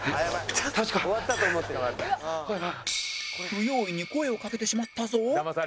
不用意に声をかけてしまったぞ